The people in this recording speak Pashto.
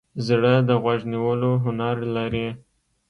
زړه د غوږ نیولو هنر لري.